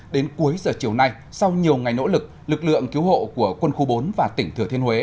đến cuối giờ chiều nay sau nhiều ngày nỗ lực lực lượng cứu hộ của quân khu bốn và tỉnh thừa thiên huế